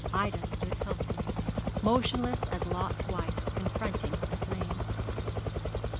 Ida stood helpless, motionless as Lot's wife, confronting the flames.